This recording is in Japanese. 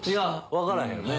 分からへんよね。